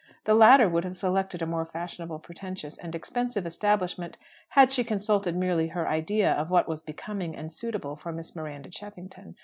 The latter would have selected a more fashionable, pretentious, and expensive establishment had she consulted merely her idea of what was becoming and suitable for Miss Miranda Cheffington.